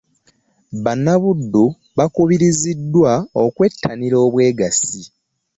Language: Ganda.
Bannabuddu bakubirizidwa okwetanira obweggasi.